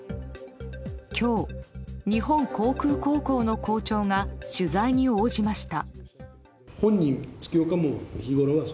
今日、日本航空高校の校長が取材に応じました。